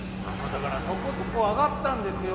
だから「そこそこあがった」んですよ。